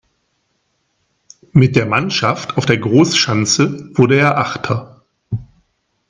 Mit der Mannschaft auf der Großschanze wurde er Achter.